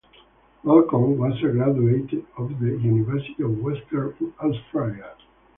Malcolm was a graduate of the University of Western Australia.